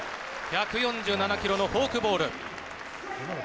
１４７キロのフォークボール。